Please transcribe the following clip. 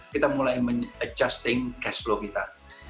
kita mulai menyesuaikan keuntungan kasus kita